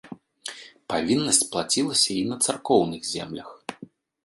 Павіннасць плацілася на і царкоўных землях.